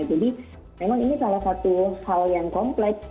jadi memang ini salah satu hal yang kompleks